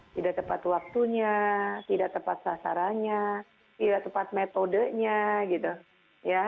tidak tepat waktunya tidak tepat sasarannya tidak tepat metodenya gitu ya